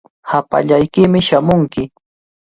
Hapallaykimi shamunki.